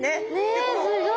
えすごい！